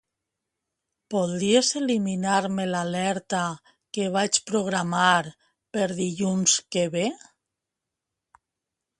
Podries eliminar-me l'alerta que vaig programar per dilluns que ve?